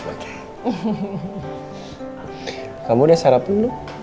kamu udah sarap dulu